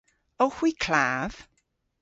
Owgh hwi klav?